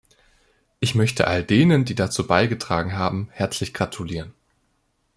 Ich möchte all denen, die dazu beigetragen haben, herzlich gratulieren.